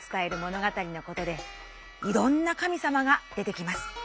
語のことでいろんな神さまが出てきます。